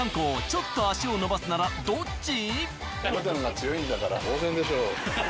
ちょっと足を延ばすならどっち？